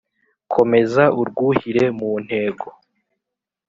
komeza urwuhire mu ntego